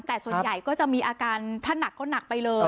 แต่ส่วนใหญ่ก็จะมีอาการถ้าหนักก็หนักไปเลย